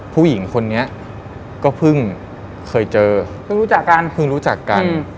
ผู้หญิงคนนี้ก็เพิ่งเคยเจอเพิ่งรู้จักกัน